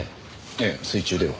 ええ水中では。